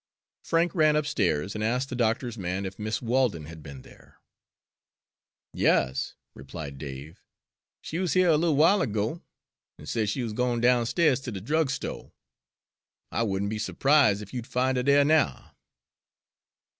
Frank ran upstairs and asked the doctor's man if Miss Walden had been there. "Yas," replied Dave, "she wuz here a little w'ile ago, an' said she wuz gwine downstairs ter de drugsto'. I would n' be s'prise' ef you'd fin' her dere now."